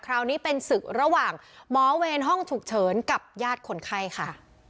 คราวนี้เป็นศึกระหว่างหมอเวรห้องฉุกเฉินกับญาติคนไข้ค่ะ